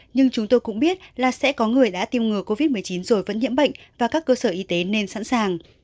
nhưng chúng tôi cũng biết là sẽ có người đã tiêm ngừa covid một mươi chín rồi vẫn nhiễm bệnh và các cơ sở y tế nên sẵn sàng